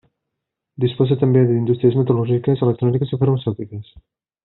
Disposa també d'indústries metal·lúrgiques, electròniques i farmacèutiques.